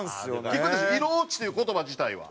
「色落ち」という言葉自体は。